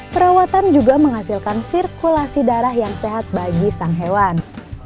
perawatan juga menghasilkan sirkulasi darah yang sehat bagi sang hewan